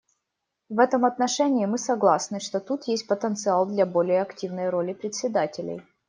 В этом отношении мы согласны, что тут есть потенциал для более активной роли председателей.